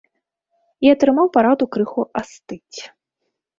І атрымаў параду крыху астыць.